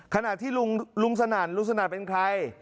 ขณะที่ลุงสนั่นลุงสนั่นเป็นใคร